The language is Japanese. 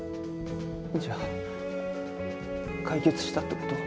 じゃあ解決したって事？